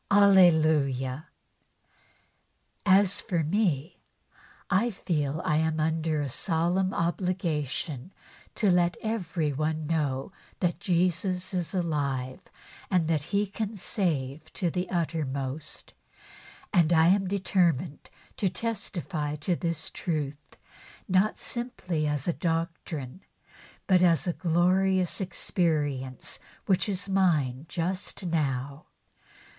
Hallelujah I As for me, I feel I am under a solemn obligation to let everybody know that Jesus is alive and that He can save to the uttermost, and I am determined to testify to this truth not simply as a doctrine, but as a glorious experience which is mine just now.